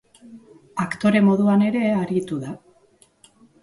Aktore moduan ere aritu da.